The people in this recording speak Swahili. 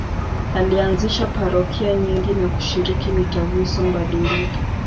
Alianzisha parokia nyingi na kushiriki mitaguso mbalimbali.